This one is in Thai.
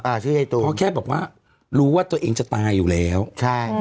ชื่อยายโตเพราะแค่บอกว่ารู้ว่าตัวเองจะตายอยู่แล้วใช่